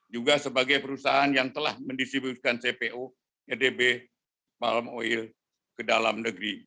juga sebagai perusahaan yang telah mendistribusikan cpo rdb balm oil ke dalam negeri